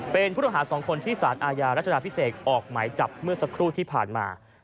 เป็นผู้ต้องหา๒คนที่สารอาญารัชดาพิเศษออกหมายจับเมื่อสักครู่ที่ผ่านมา